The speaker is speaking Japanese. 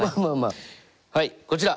あはいこちら！